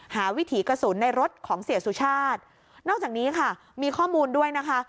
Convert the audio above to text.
วิถีกระสุนในรถของเสียสุชาตินอกจากนี้ค่ะมีข้อมูลด้วยนะคะ